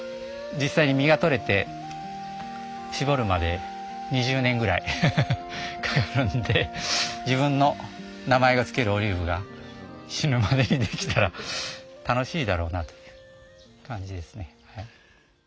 実際に実が採れて搾るまで２０年ぐらいかかるんで自分の名前が付けるオリーブが死ぬまでに出来たら楽しいだろうなという感じですね。